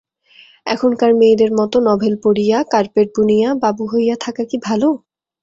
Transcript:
এখনকার মেয়েদের মতো নভেল পড়িয়া, কার্পেট বুনিয়া, বাবু হইয়া থাকা কি ভালো।